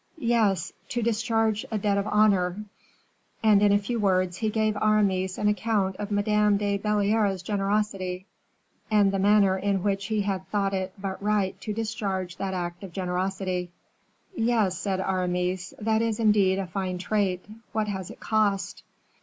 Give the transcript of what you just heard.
"Yes; to discharge a debt of honor." And in a few words, he gave Aramis an account of Madame de Belliere's generosity, and the manner in which he had thought it but right to discharge that act of generosity. "Yes," said Aramis, "that is, indeed, a fine trait. What has it cost?"